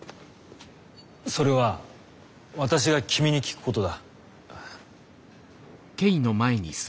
それは私が君に聞くことだ。